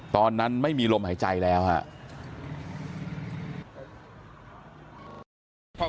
ตอนนั้นไม่มีลมหายใจแล้วครับ